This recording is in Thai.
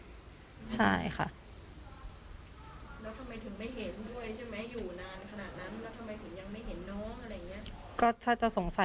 แล้วทำไมถึงไม่เห็นด้วยใช่ไหมอยู่นานขนาดนั้นแล้วทำไมถึงยังไม่เห็นน้องอะไรอย่างนี้